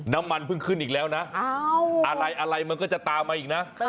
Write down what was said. น้ำมันเพิ่งขึ้นอีกแล้วนะอะไรมันก็จะตามมาอีกนะ